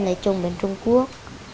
lấy chồng đến trung quốc